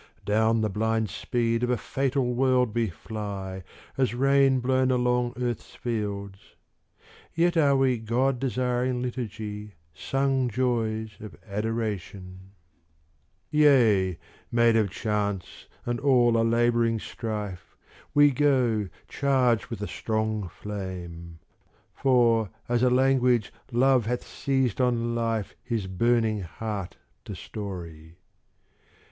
Down the blind speed of a fatal world we fly, As rain blown along earth's fields; Yet are we god desiring liturgy, Sung joys of adoration; Yea, made of chance and all a labouring strife, We go charged with a strong flame; For as a language Love hath seized on life His burning heart to story.